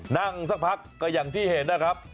นั่งสักพักก็อย่างที่เห็นนะครับ